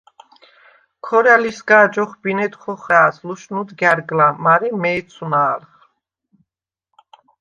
ქორა̈ლისგა̄ჯ ოხბინედ ხოხრა̄̈ლს ლუშნუდ გა̈რგლა მარე ,მე̄ცუ̂ნა̄ლხ!